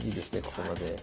ここまで。